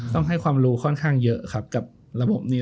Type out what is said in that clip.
ต้องให้ความรู้ค่อนข้างเยอะครับกับระบบนี้